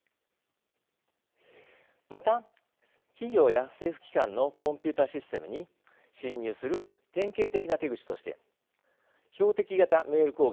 また企業や政府機関のコンピューターシステムに侵入する典型的な手口として標的型メール攻撃があります。